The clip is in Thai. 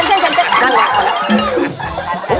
ดันแหละ